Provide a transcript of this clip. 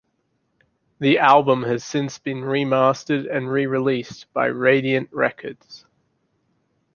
The album has since been remastered and re-released by Radiant Records.